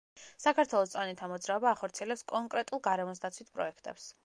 საქართველოს მწვანეთა მოძრაობა ახორციელებს კონკრეტულ გარემოსდაცვით პროექტებს.